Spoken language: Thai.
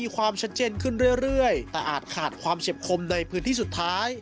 ขึ้นเรื่อยแต่อาจขาดความเฉียบคมในพื้นที่สุดท้าย